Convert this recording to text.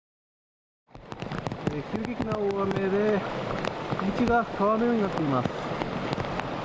急激な大雨で、道が川のようになっています。